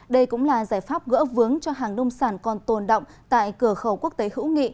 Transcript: đây cũng là giải pháp gỡ vướng cho hàng nông sản còn tồn động tại cửa khẩu quốc tế hữu nghị